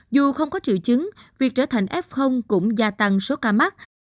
dù không có triệu chứng việc trở thành f cũng gia tăng số ca mắc